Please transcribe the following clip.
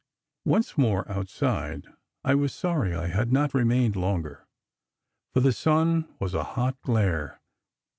Once more outside, I was sorry I had not remained longer, for the sun was a hot glare.